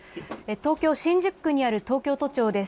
東京、新宿区にある東京都庁です。